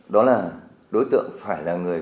đó là đối tượng phải là người